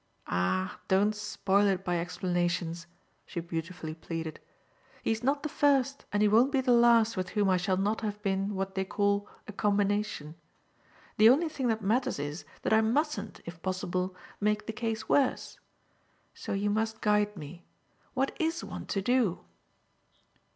Ah don't spoil it by explanations!" she beautifully pleaded: "he's not the first and he won't be the last with whom I shall not have been what they call a combination. The only thing that matters is that I mustn't, if possible, make the case worse. So you must guide me. What IS one to do?"